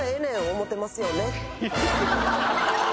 思ってますよね。